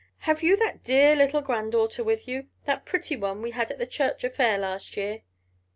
"Have you that dear little grand daughter with you? The pretty one we had at the church affair last year?"